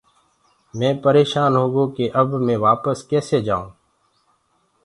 مينٚ پريشان هوگو ڪي اب مي وپس ڪسي جآيونٚ۔